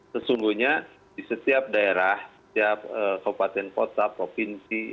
sesungguhnya di setiap daerah setiap kabupaten kota provinsi